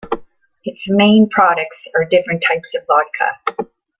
Its main products are different types of vodka.